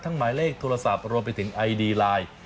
หมายเลขโทรศัพท์รวมไปถึงไอดีไลน์